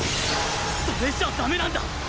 それじゃ駄目なんだ！